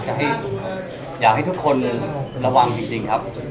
ก็อยากให้ทุกคนระวังจริงครับ